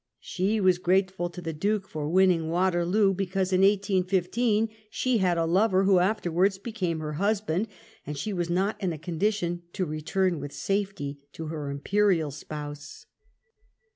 She was grateful to the Duke for win ning Waterloo, because in 1815 she had a lover, who afterwards became her husband, and she was not in a condition to return with safety to her imperial spouse.